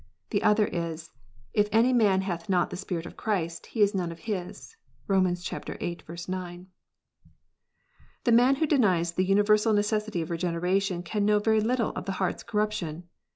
The other is : "If any man hath not the Spirit of Christ, he is Aione of His." (Kom. viii. 9.) The man who denies the universal necessity of Regeneration can know very little of the heart s corruption.